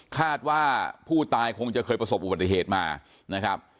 คาดว่าผู้ตายคงจะเคยประสบอุบัติเหตุมานะครับ